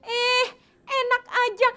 eh enak aja